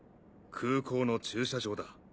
空港の駐車場だ。